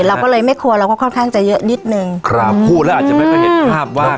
เราก็เลยไม่ครัวเราก็ค่อนข้างจะเยอะนิดนึงครับพูดแล้วอาจจะไม่ค่อยเห็นภาพว่า